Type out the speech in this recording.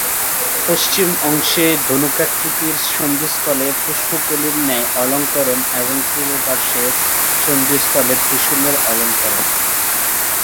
পশ্চিম অংশে ধনুকাকৃতির সন্ধিস্থলে পুষ্পকলির ন্যায় অলঙ্করণ এবং পূর্ব পার্শ্বের সন্ধিস্থলে ত্রিশুলের অলঙ্করণ।